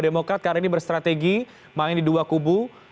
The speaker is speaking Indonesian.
demokrat karena ini bersrategi main di dua kubu